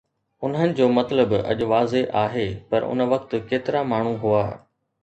انهن جو مطلب اڄ واضح آهي، پر ان وقت ڪيترا ماڻهو هئا؟